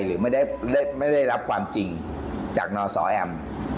หรือไม่ได้รับความจริงจากนสแอม